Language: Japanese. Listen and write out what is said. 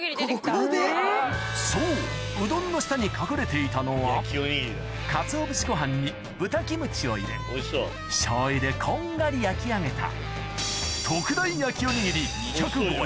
そううどんの下に隠れていたのはカツオ節ご飯に豚キムチを入れしょうゆでこんがり焼き上げた